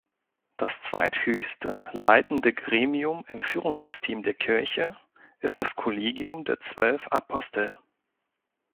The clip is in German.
Das zweithöchste leitende Gremium im Führungssystem der Kirche ist das Kollegium der Zwölf Apostel.